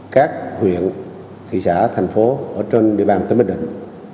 các huyện thị xã thành phố ở trên địa bàn tỉnh bình định